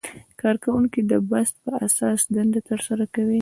کارکوونکي د بست په اساس دنده ترسره کوي.